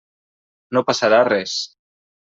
No passarà res.